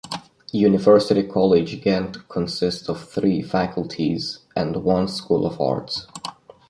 University College Ghent consists of three faculties and one School of Arts.